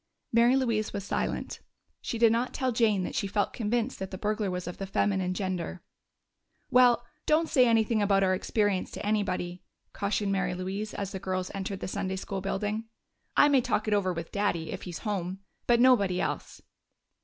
Mary Louise was silent; she did not tell Jane that she felt convinced that the burglar was of the feminine gender. "Well, don't say anything about our experience to anybody," cautioned Mary Louise as the girls entered the Sunday school building. "I may talk it over with Daddy, if he's home. But nobody else."